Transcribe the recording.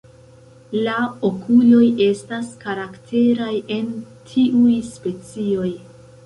La okuloj estas karakteraj en tiuj specioj.